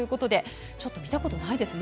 ちょっと見たことないですね。